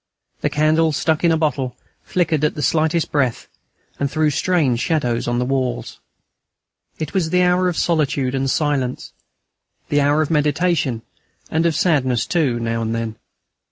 The candle, stuck in a bottle, flickered at the slightest breath, and threw strange shadows on the walls. It was the hour of solitude and silence, the hour of meditation and of sadness too now and then.